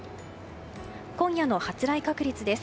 今夜の発雷確率です。